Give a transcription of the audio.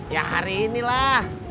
ya hari inilah